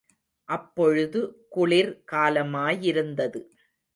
அப்பொழுது குளிர் காலமாயிருந்தது.